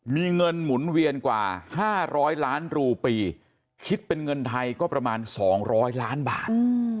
มีเงินหมุนเวียนกว่า๕๐๐ล้านรูปีคิดเป็นเงินไทยก็ประมาณ๒๐๐ล้านบาท